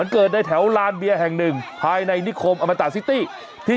เกิดในแถวร้านเบียแห่งหนึ่งภายในนิคคมอมัยตาซิตี้